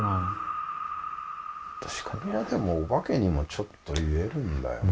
確かにいやでもお化けにもちょっと言えるんだよなあ